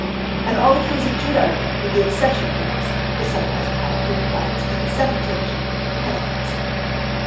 And all the kings of Judah are there, with the exception of Manasseh, the son of Hezekiah, who presides in the second division, over the penitents.